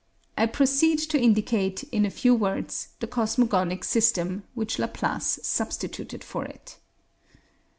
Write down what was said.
I proceed to indicate, in a few words, the cosmogonic system which Laplace substituted for it.